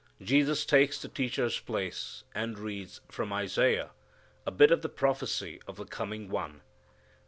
Jesus takes the teacher's place, and reads, from Isaiah, a bit of the prophecy of the coming One.